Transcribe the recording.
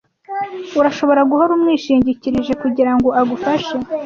Urashobora guhora umwishingikirije kugirango agufashe.